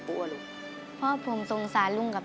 ผมก็เลยอยากจะช่วยบ้างครับ